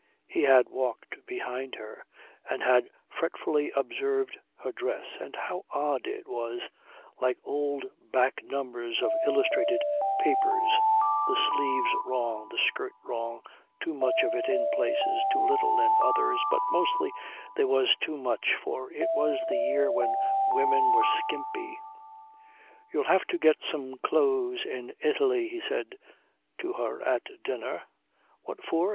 He had walked behind her, and had fretfully observed her dress and how odd it was, like old back numbers of illustrated papers, the sleeves wrong, the skirt wrong, too much of it in places, too little in others, but mostly there was too much, for it was the year when women were skimpy. "You'll have to get some clothes in Italy," he said to her at dinner. "What for?"